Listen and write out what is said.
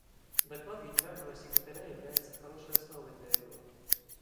Доклад Генерального секретаря является хорошей основой для этого.